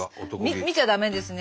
見ちゃ駄目ですね